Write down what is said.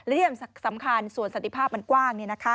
และที่สำคัญสวนสติภาพมันกว้าง